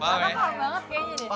paham banget kayaknya